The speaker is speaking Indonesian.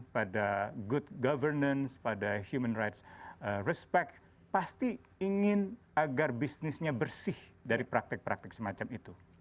pada good governance pada human rights respect pasti ingin agar bisnisnya bersih dari praktek praktek semacam itu